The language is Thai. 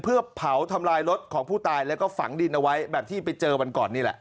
เพื่อเผาทำลายรถของผู้ตายแล้วก็ฝังดินเอาไว้แบบที่ไปเจอวันก่อนนี่แหละ